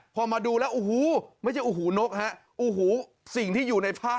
พอมาดูแล้วอูหูไม่ใช่อูหูนกฮะอูหูสิ่งที่อยู่ในภาพ